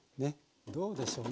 どうでしょうね？